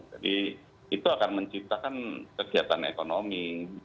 jadi itu akan menciptakan kegiatan ekonomi